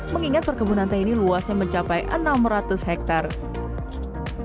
mengingat perkebunan teh ini luasnya mencapai enam ratus hektare